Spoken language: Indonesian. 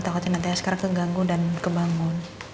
takutin nantinya sekarang keganggu dan kebangun